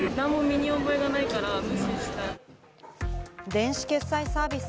電子決済サービス